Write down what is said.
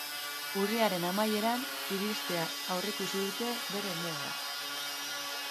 Urriaren amaieran iristea aurreikusi dute bere helmugara.